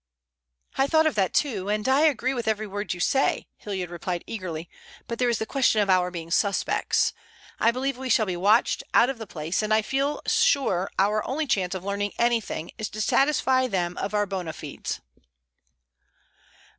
"I thought of that, too, and I agree with every word you say," Hilliard replied eagerly, "but there is the question of our being suspects. I believe we shall be watched out of the place, and I feel sure our only chance of learning anything is to satisfy them of our bona fides."